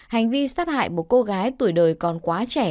hành vi sát hại một cô gái tuổi đời còn quá trẻ